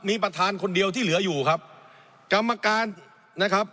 มีประธานคนเดียวที่เหลืออยู่ครับกรรมการนะครับ